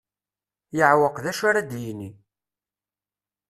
Yeɛweq d acu ara d-yini.